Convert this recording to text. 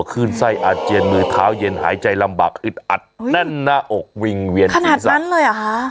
ขึ้นไส้อาเจียนมือเท้าเย็นหายใจลำบากอึดอัดแน่นหน้าอกวิงเวียนขนาดนั้นเลยเหรอคะ